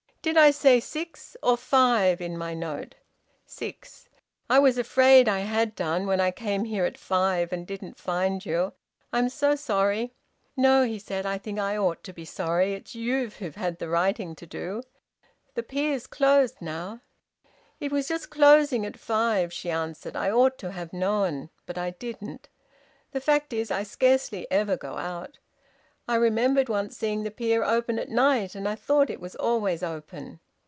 "Did I say six, or five, in my note?" "Six." "I was afraid I had done, when I came here at five and didn't find you. I'm so sorry." "No!" he said. "I think I ought to be sorry. It's you who've had the waiting to do. The pier's closed now." "It was just closing at five," she answered. "I ought to have known. But I didn't. The fact is, I scarcely ever go out. I remembered once seeing the pier open at night, and I thought it was always open."